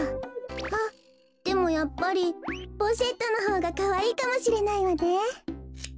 あっでもやっぱりポシェットのほうがかわいいかもしれないわね。